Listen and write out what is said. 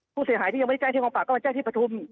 ผู้เสียหายที่ยังไม่ได้แจ้งที่กองปราบก็มาแจ้งที่ปฐุม